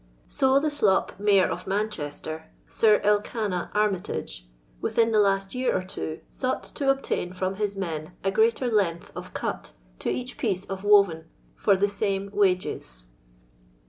So the slop Mayor of Manchester, Sir Elkanah Armitage, within the last year or two, sought to obtain from his men a greater length of " cut " to each piece of woren for the same wages.